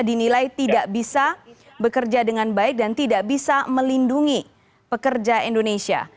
dinilai tidak bisa bekerja dengan baik dan tidak bisa melindungi pekerja indonesia